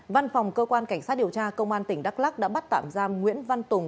văn phòng cơ quan cảnh sát điều tra công an tỉnh đắk lắc đã bắt tạm giam nguyễn văn tùng